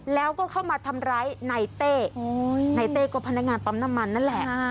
แล้วก็เข้ามาทำร้ายนายเต้นายเต้ก็พนักงานปั๊มน้ำมันนั่นแหละ